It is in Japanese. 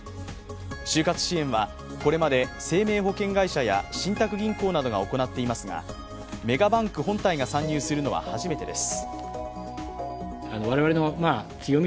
終活支援はこれまで生命保険会社や信託銀行などが行っていますが、メガバンク本体が参入するのは初めてです。